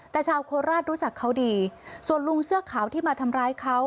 แต่ชาวโคราชรู้จักเขาดีส่วนลุงเสื้อขาวที่มาทำร้ายเขา